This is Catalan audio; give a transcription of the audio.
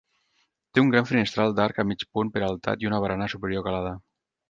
Té un gran finestral d'arc de mig punt peraltat i una barana superior calada.